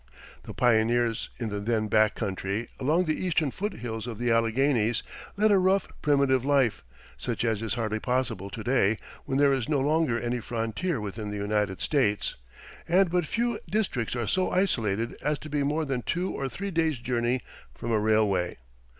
The pioneers in the then back country, along the eastern foot hills of the Alleghanies, led a rough, primitive life, such as is hardly possible to day, when there is no longer any frontier within the United States, and but few districts are so isolated as to be more than two or three days' journey from a railway.